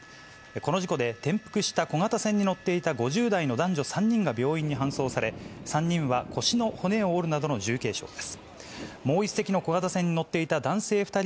この事故で、転覆した小型船に乗っていた５０代の男女３人が病院に搬送され、３人は腰の骨を折るなどの重軽傷です。